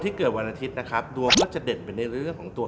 เกิดวันอาทิตย์นะครับดวงก็จะเด่นไปในเรื่องของตัว